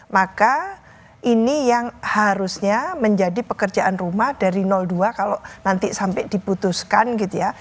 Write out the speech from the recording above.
maka ini yang harusnya menjadi pekerjaan rumah dari dua kalau nanti sampai diputuskan gitu ya